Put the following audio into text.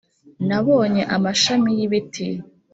nabonye amashami y'ibiti